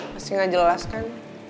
masih ga jelas kan